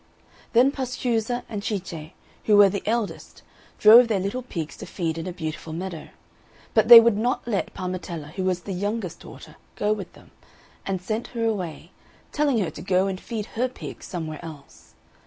Then Pascuzza and Cice, who were the eldest, drove their little pigs to feed in a beautiful meadow; but they would not let Parmetella, who was the youngest daughter, go with them, and sent her away, telling her to go and feed her pig somewhere else.